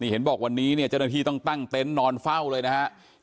เห็นบอกวันนี้เนี่ยเจ้าหน้าที่ต้องตั้งเต็นต์นอนเฝ้าเลยนะครับ